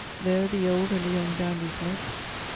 There the old and the young dandies met.